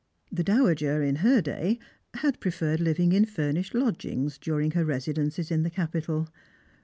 The dowager, in her day, had preferred living in furnished lodgings during her residences in the capital.